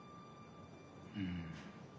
うん。